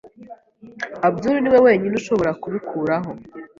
Abdul niwe wenyine ushobora kubikuraho.